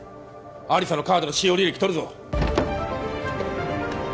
亜理紗のカードの使用履歴とるぞ